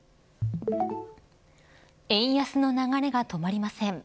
円安の流れが止まりません。